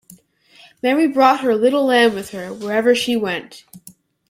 Mary brought her little lamb with her, wherever she went.